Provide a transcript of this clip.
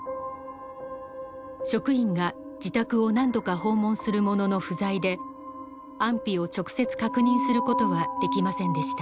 職員が自宅を何度か訪問するものの不在で安否を直接確認することはできませんでした。